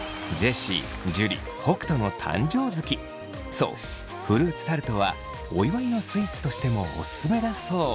そうフルーツタルトはお祝いのスイーツとしてもオススメだそう。